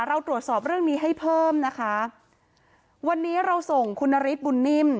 เราตรวจสอบเรื่องนี้ให้เพิ่มนะคะวันนี้เราส่งคุณนฤทธิบุญนิ่ม